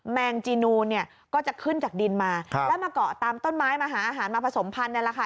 แมงจีนูนเนี่ยก็จะขึ้นจากดินมาแล้วมาเกาะตามต้นไม้มาหาอาหารมาผสมพันธุ์นี่แหละค่ะ